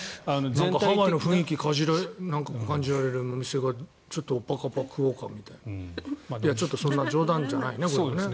ハワイの雰囲気感じられるお店がちょっとオッパカパ食おうかとかちょっとそんな冗談じゃないね。